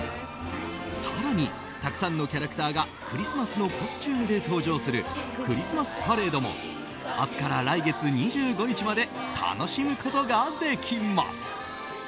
更に、たくさんのキャラクターがクリスマスのコスチュームで登場するクリスマス・パレードも明日から来月２５日まで楽しむことができます。